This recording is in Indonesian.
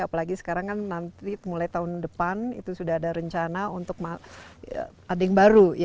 apalagi sekarang kan nanti mulai tahun depan itu sudah ada rencana untuk ada yang baru